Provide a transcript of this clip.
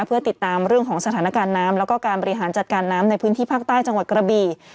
เพื่อติดตามเรื่องของสถานการณ์น้ำแล้วก็การบริหารจัดการน้ำในพื้นที่ภาคใต้จังหวัดกระบี่